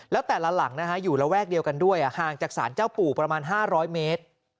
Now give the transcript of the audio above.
แล้วแต่ละหลังอยู่ระแวกเดียวกันด้วยห่างจากศาลเจ้าปู่ประมาณ๕๐๐เมตร